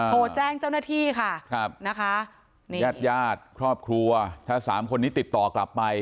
โทรแจ้งเจ้าหน้าที่ค่ะครับนะคะญาติญาติครอบครัวถ้าสามคนนี้ติดต่อกลับไป